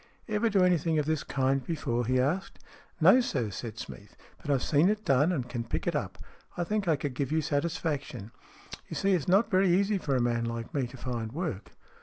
"Ever do anything of this kind before?" he asked. " No, sir," said Smeath. " But I've seen it done and can pick it up. I think I could give you satis faction. You see, it's not very easy for a man like me to find work."